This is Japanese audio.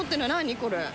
これ。